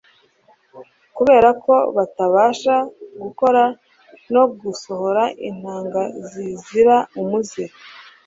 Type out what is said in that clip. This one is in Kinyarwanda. kubera ko batabasha gukora no gusohora intanga zizira umuze.